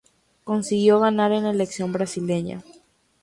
Consiguió ganar en la elección brasileña.